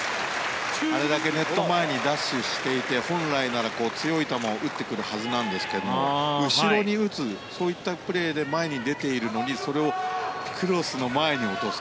あれだけネット前にダッシュしていて本来なら強い球を打ってくるはずなんですが後ろに打つ、そういったプレーで前に出ているのにそれをクロスの前に落とす。